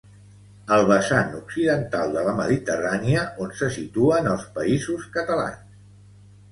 El vessant occidental de la Mediterrània, on se situen els Països Catalans